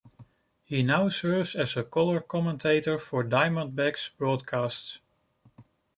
He now serves as a color commentator for Diamondbacks broadcasts.